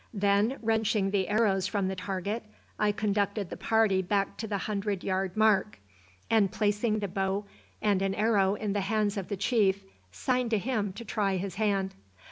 Then, wrenching the arrows from the target, I conducted the party back to the hundred yard mark, and placing the bow and an arrow in the hands of the chief, signed to him to try his hand.